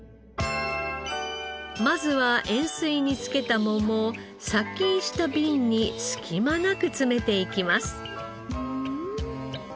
まずは塩水につけた桃を殺菌した瓶に隙間なく詰めていきます。